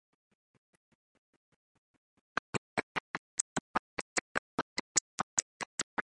On the other hand, some products are developed in response to customer